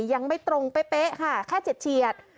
ยังไม่ตรงเป๊ะค่ะแค่เฉียด